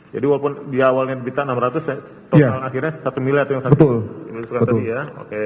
jadi walaupun dia awalnya rp enam ratus juta total akhirnya rp satu miliar